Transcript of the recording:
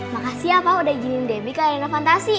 makasih ya pa udah ijinin debbie ke arena fantasi